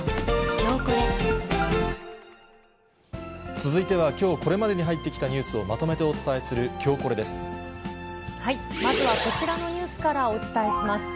続いては、きょうこれまでに入ってきたニュースをまとめてお伝えするきょうまずはこちらのニュースからお伝えします。